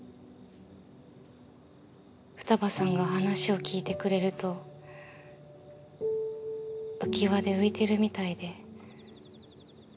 二葉さんが話を聞いてくれるとうきわで浮いてるみたいで。